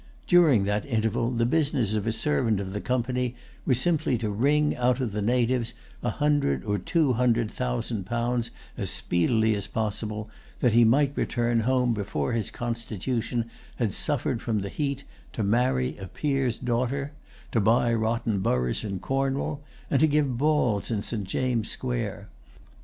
During that interval the business of a servant of the Company was simply to wring out of the natives a hundred or two hundred thousand pounds as speedily as possible, that he might return home before his constitution had suffered from the heat, to marry a peer's daughter, to buy rotten boroughs in Cornwall, and to give balls in St. James's Square.